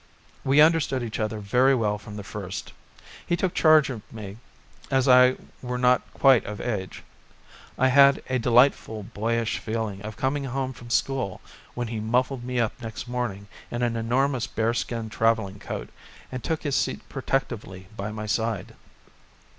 We understood each other very well from the first. He took charge of me as if I were not quite of age. I had a delightful boyish feeling of coming home from school when he muffled me up next morning in an enormous bear skin travelling coat and took his seat protectively by my side.